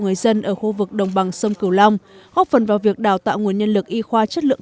người dân ở khu vực đồng bằng sông cửu long góp phần vào việc đào tạo nguồn nhân lực y khoa chất lượng